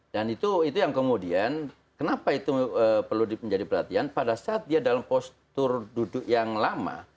dan itu yang kemudian kenapa itu perlu menjadi perhatian pada saat dia dalam postur duduk yang lama